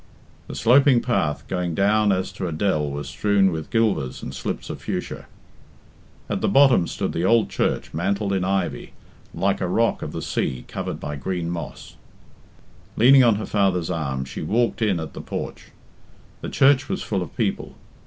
The sloping path going down as to a dell was strewn with gilvers and slips of fuchsia. At the bottom stood the old church mantled in ivy, like a rock of the sea covered by green moss. Leaning on her father's arm she walked in at the porch. The church was full of people.